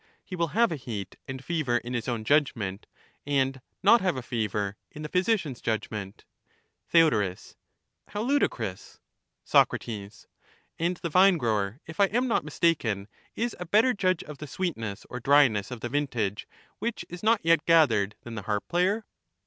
— he will have a heat and fever in his own judgment, and not have a fever in the physician's judgment ? Theod, How ludicrous I Soc. And the vinegrower, if I am not mistaken, is a better nor of vine judge of the sweetness or dryness of the vintage which is not growing ; yet gathered than the harp player